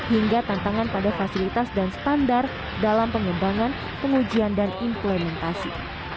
hingga tantangan pada fasilitas dan standar dalam pengembangan pengujian dan implementasi